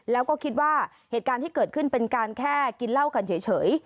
แล้วก็คิดว่าเหตุการณ์ที่เกิดขึ้นเป็นการแค่กินเหล้ากันเฉย